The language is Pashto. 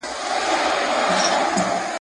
په يوه ځين کي دوه کسه نه ځائېږي.